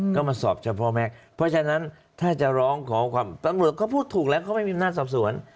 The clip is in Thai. ก็มาสอบเฉพาะแม่เพราะฉะนั้นถ้าจะร้องขอความตำรวจเขาพูดถูกแล้วเขาไม่มีอำนาจสอบสวน